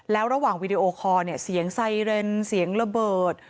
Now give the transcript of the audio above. แล้วระหว่างวีดีโอคอร์เนี่ยเสียงไซเรนเสียงระเบิด